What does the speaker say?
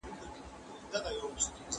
ګڼ توکي د پنډي لخوا په اوږه راوړل کیږي.